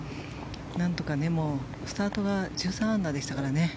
なんとか、スタートが１３アンダーでしたからね。